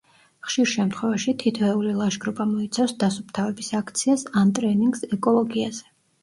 ხშირ შემთხვევაში თითოეული ლაშქრობა მოიცავს დასუფთავების აქციას ან ტრენინგს ეკოლოგიაზე.